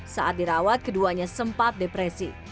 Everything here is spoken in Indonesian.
saat dirawat keduanya sempat depresi